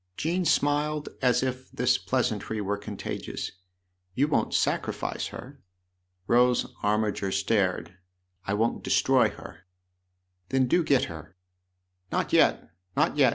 Jean smiled as if this pleasantry were contagious. " You won't sacrifice her ?" Rose Armiger stared. " I won't destroy her." "Then do get her." " Not yet, not yet